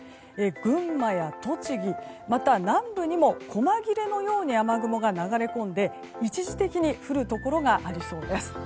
群馬や栃木また南部にも細切れのように雨雲が流れ込んで一時的に降るところがありそうです。